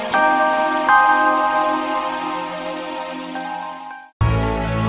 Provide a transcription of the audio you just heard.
dia tadi bertengkar sama kamu